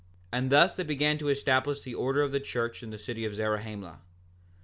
6:4 And thus they began to establish the order of the church in the city of Zarahemla.